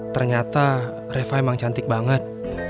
ternyata reva emang cantik banget